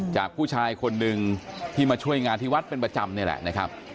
จากผู้ชายคนหนึ่งที่มาช่วยงานที่วัดเป็นประจำนี่แหละนะครับ